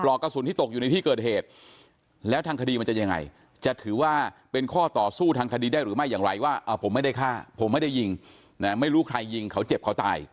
กระสุนที่ตกอยู่ในที่เกิดเหตุแล้วทางคดีมันจะยังไงจะถือว่าเป็นข้อต่อสู้ทางคดีได้หรือไม่อย่างไรว่าผมไม่ได้ฆ่าผมไม่ได้ยิงไม่รู้ใครยิงเขาเจ็บเขาตาย